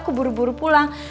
aku buru buru pulang